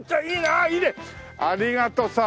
ありがとさん。